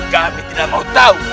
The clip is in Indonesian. kami tidak mau tahu